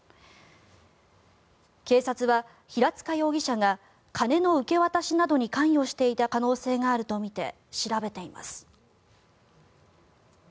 警察は平塚容疑者が金の受け渡しなどに関与していた可能性があるとみて調べています。